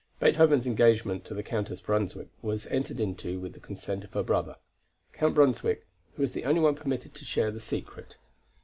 Beethoven's engagement to the Countess Brunswick was entered into with the consent of her brother. Count Brunswick, who was the only one permitted to share the secret.